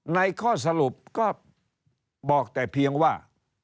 ข้อสรุปก็บอกแต่เพียงว่า